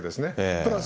プラス